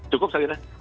cukup saya kira